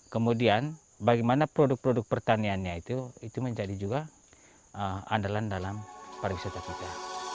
kemudian bagaimana produk produk pertaniannya itu menjadi juga andalan dalam pariwisata kita